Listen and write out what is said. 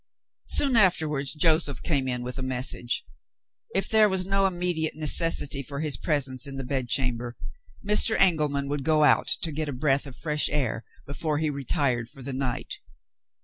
Soon afterwards Joseph came in with a message. If there was no immediate necessity for his presence in the bedchamber, Mr. Engelman would go out to get a breath of fresh air, before he retired for the night.